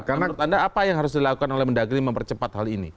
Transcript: menurut anda apa yang harus dilakukan oleh mendagri mempercepat hal ini